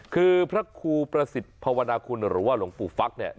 คือพระครูประสิทธิ์ภาวนาคุณหรือว่าหลวงปู่ฟักเนี่ย